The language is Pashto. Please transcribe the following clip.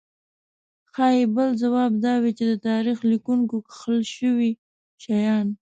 ښايي بل ځواب دا وي چې د تاریخ لیکونکو کښل شوي شیان.